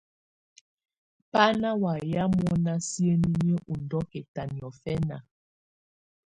Bá ná wamɛ̀á mɔ́ná siǝ́niniǝ́ ú ndɔ̀kɛta niɔ̀fɛna.